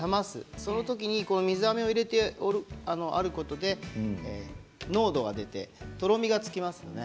そのときに水あめを入れておくことで濃度が出て、とろみがつきます。